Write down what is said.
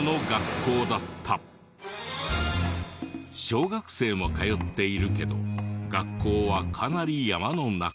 小学生も通っているけど学校はかなり山の中。